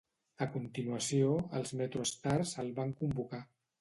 A continuació, els MetroStars el van convocar.